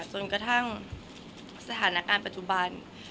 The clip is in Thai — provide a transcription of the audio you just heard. จนกระทั่งสถานการณ์ปัจจุบัน